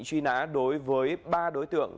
truy nã đối với ba đối tượng